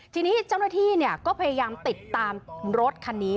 ทีนี้เจ้าหน้าที่ก็พยายามติดตามรถคันนี้